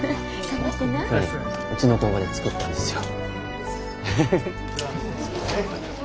これうちの工場で作ったんですよ。